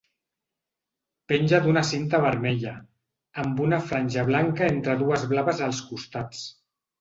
Penja d'una cinta vermella, amb una franja blanca entre dues blaves als costats.